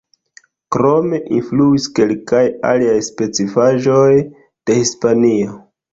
Krome, influis kelkaj aliaj specifaĵoj de Hispanio.